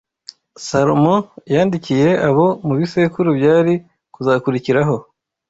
Salomo yandikiye abo mu bisekuru byari kuzakurikiraho